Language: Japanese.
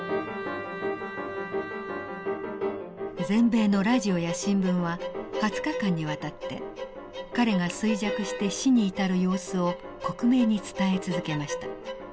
全米のラジオや新聞は２０日間にわたって彼が衰弱して死に至る様子を克明に伝え続けました。